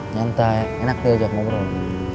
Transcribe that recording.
nyantai enak dia jawab ngobrol